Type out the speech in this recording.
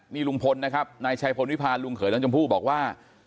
นี่ลุงพลนะครับนายชัยพลวิพาลลุงเขยน้องชมพู่บอกว่า